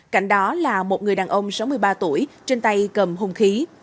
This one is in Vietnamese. cạnh đó là một người đàn ông sáu mươi ba tuổi trên tay cầm hùng khí